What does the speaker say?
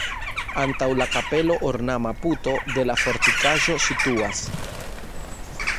Antaŭ la kapelo ornama puto de la fortikaĵo situas.